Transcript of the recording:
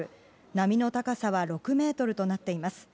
波の高さは６ｍとなっています。